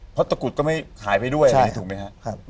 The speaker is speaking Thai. เพราะตะกรุดก็ไม่ขายไปด้วยถูกไหมครับ